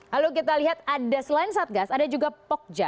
lalu kita lihat ada selain satgas ada juga pokja